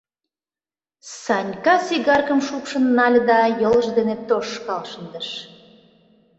— Санька сигаркым шупшын нале да йолжо дене тошкал шындыш.